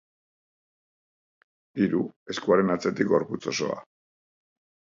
Hiru, eskuaren atzetik gorputz osoa.